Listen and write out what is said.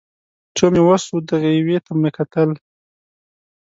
څو مې وس و دغې یوې ته مې کتل